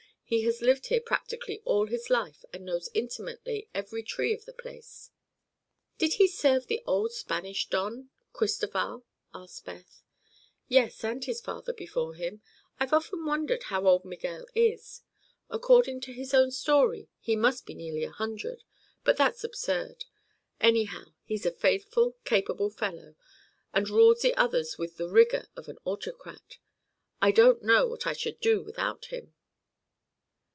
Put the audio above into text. He has lived here practically all his life and knows intimately every tree on the place." "Did he serve the old Spanish don—Cristoval?" asked Beth. "Yes; and his father before him. I've often wondered how old Miguel is. According to his own story he must be nearly a hundred; but that's absurd. Anyhow, he's a faithful, capable fellow, and rules the others with the rigor of an autocrat. I don't know what I should do without him."